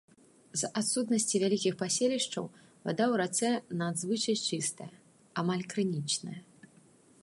З-за адсутнасці вялікіх паселішчаў вада ў рацэ надзвычай чыстая, амаль крынічная.